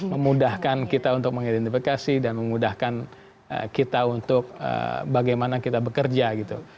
memudahkan kita untuk mengidentifikasi dan memudahkan kita untuk bagaimana kita bekerja gitu